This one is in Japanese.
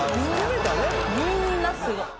みんなすごい。